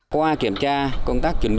qua kiểm tra công tác chuẩn bị